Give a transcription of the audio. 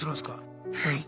はい。